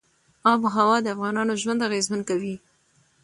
آب وهوا د افغانانو ژوند اغېزمن کوي.